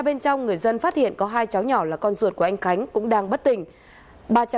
bên trong người dân phát hiện có hai cháu nhỏ là con ruột của anh khánh cũng đang bất tỉnh